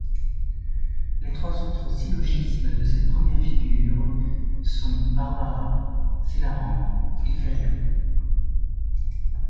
Les trois autres syllogismes de cette première figure sont Barbara, Celarent et Ferio.